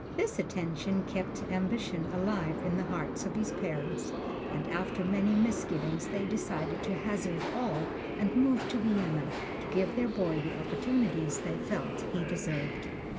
This attention kept ambition alive in the hearts of his parents, and after many misgivings they decided to hazard all and move to Vienna to give their boy the opportunities they felt he deserved.